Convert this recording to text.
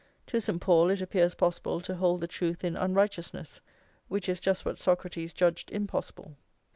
To St. Paul it appears possible to "hold the truth in unrighteousness,"+ which is just what Socrates judged impossible.